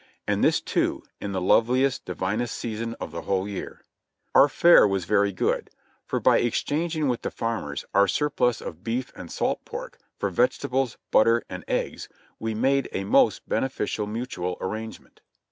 And this, too, in the loveliest, divinest season of the whole year. Our fare was very good, for by exchanging with the farmers our surplus of beef and salt pork, for vegetables, butter and eggs, we made a most beneficial mutual arrangement.